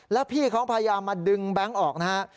แล้วพี่เขาพยายามมาดึงแบงค์ออกนะฮะ